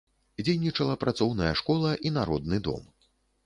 Дзейнічала працоўная школа і народны дом.